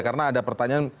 karena ada pertanyaan